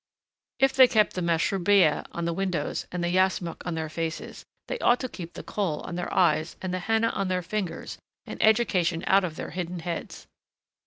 If they kept the mashrubiyeh on the windows and the yashmak on their faces they ought to keep the kohl on their eyes and the henna on their fingers and education out of their hidden heads.